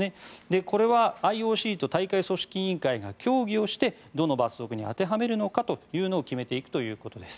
これはＩＯＣと大会組織委員会が協議をしてどの罰則に当てはめるのかというのを決めていくということです。